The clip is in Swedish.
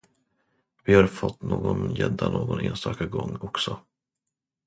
Vi har fått någon gädda någon enstaka gång, också.